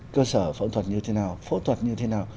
cơ sở phẫu thuật như thế nào phẫu thuật như thế nào